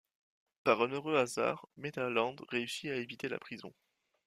Par un heureux hasard Metta Lande réussit à éviter la prison.